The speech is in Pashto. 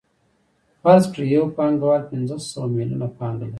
فرض کړئ یو پانګوال پنځه سوه میلیونه پانګه لري